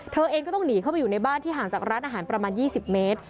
เธอเองก็ต้องหนีเข้าไปอยู่ในบ้านที่ห่างจากร้านอาหารประมาณ๒๐เมตร